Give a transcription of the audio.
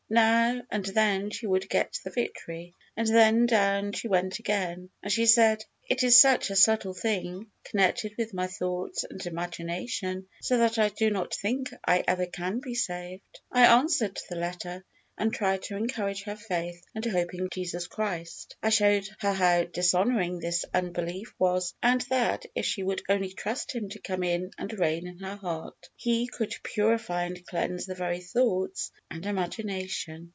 Now and then she would get the victory, and then down she went again, and she said, "It is such a subtle thing, connected with my thoughts and imagination, so that I do not think I ever can be saved." I answered the letter, and tried to encourage her faith and hope in Jesus Christ. I showed her how dishonoring this unbelief was, and that, if she would only trust Him to come in and reign in her heart, He could purify and cleanse the very thoughts and imagination.